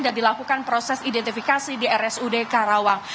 dan dilakukan proses identifikasi di rsud karawang